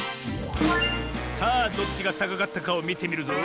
さあどっちがたかかったかをみてみるぞ。